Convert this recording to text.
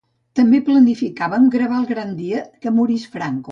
També planificàvem gravar el gran dia que morís Franco